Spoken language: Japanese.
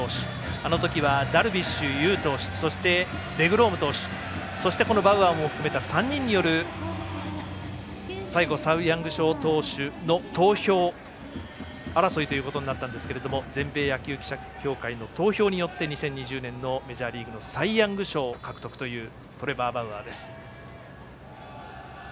あの時はダルビッシュ有投手そして、バウアーも含めた選手による最後、サイ・ヤング賞投手の投票争いということになったんですが全米野球記者協会の投票によって２０２０年のメジャーリーグのサイ・ヤング賞に輝いたトレバー・バウアー。